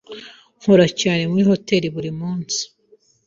Nkora cyane muri hoteri buri munsi.